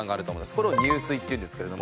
これを入水っていうんですけれども。